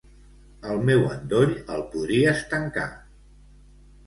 El meu endoll el podries tancar.